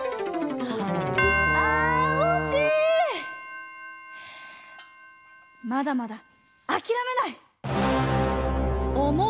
まだまだあきらめない！